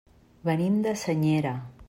Venim de Senyera.